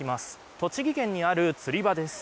栃木県にある釣り場です。